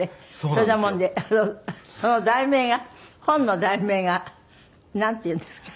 それだもんでその題名が本の題名がなんていうんですか？